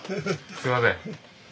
すいません。